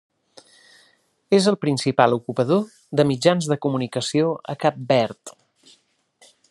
És el principal ocupador de mitjans de comunicació a Cap Verd.